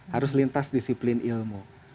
harus lintas disiplin ilmu